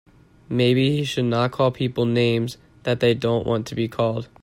Maybe he should not call people names that they don't want to be called.